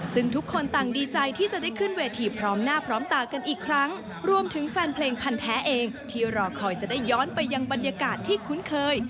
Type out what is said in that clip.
ซึ่งทุกคนต่างดีใจที่จะได้ขึ้นเวทีพร้อมหน้าพร้อมตากันอีกครั้งรวมถึงแฟนเพลงพันธ์แท้เองที่รอคอยจะได้ย้อนไปยังบรรยากาศที่คุ้นเคย